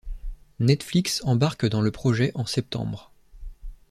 Netflix embarque dans le projet en septembre.